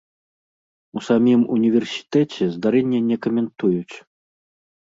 У самім універсітэце здарэнне не каментуюць.